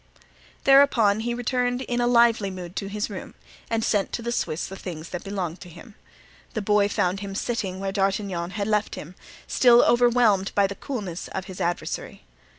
Thereupon he returned in a lively mood to his room and sent to the Swiss the things that belonged to him. The boy found him sitting where D'Artagnan had left him, still overwhelmed by the coolness of his adversary.